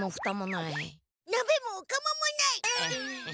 なべもおかまもない。